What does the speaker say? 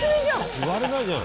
座れないじゃん。